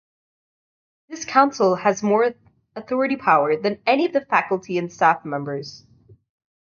This council has more authority power than any of the faculty and staff members.